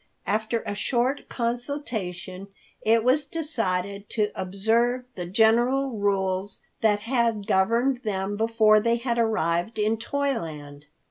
After a short consultation, it was decided to observe the general rules that had governed them before they had arrived in Toyland.